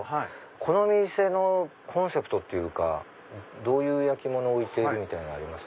この店のコンセプトっていうかどういう焼き物を置いてるみたいなのあります？